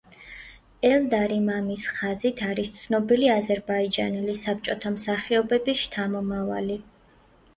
ელდარი მამის ხაზით არის ცნობილი აზერბაიჯანელი საბჭოთა მსახიობების შთამომავალი.